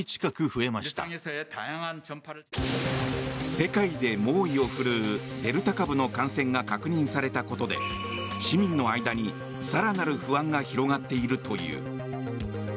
世界で猛威を振るうデルタ株の感染が確認されたことで市民の間に更なる不安が広がっているという。